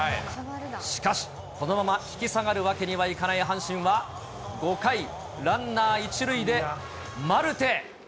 しかし、このまま引き下がるわけにはいかない阪神は、５回、ランナー１塁でマルテ。